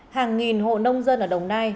hàng nghìn hộ nông dân ở đồng nai